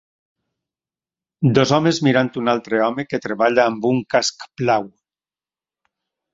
Dos homes mirant un altre home que treballa amb un casc blau.